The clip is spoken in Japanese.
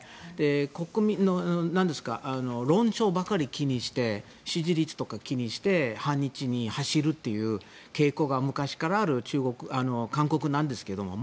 国民の論調ばかり気にして支持率とか気にして反日に走るという傾向が昔からあるのが韓国なんですけれども。